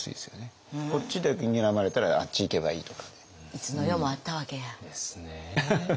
いつの世もあったわけや。